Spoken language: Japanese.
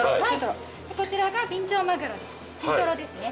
こちらがビンチョウマグロビントロですね。